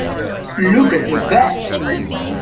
Look at that.